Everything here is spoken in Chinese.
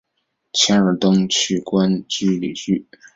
钱尔登去官里居。